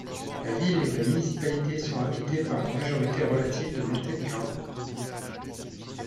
La ville et la municipalité sont habitées par une majorité relative de Monténégrins.